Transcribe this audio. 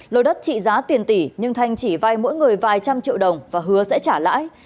lô đất trị giá tiền tỷ nhưng thanh chỉ vay mỗi người vài trăm triệu đồng và hứa sẽ trả lãi